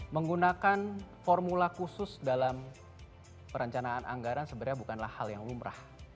menggunakan formula khusus dalam perencanaan anggaran sebenarnya bukanlah hal yang lumrah